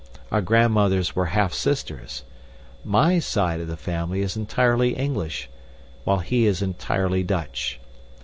Our grandmothers were half sisters. MY side of the family is entirely English, while he is entirely Dutch.